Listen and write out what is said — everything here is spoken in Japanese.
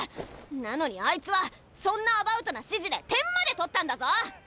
なのにあいつはそんなアバウトな指示で点まで取ったんだぞ！